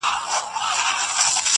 ډلي وینم د مرغیو پورته کیږي؛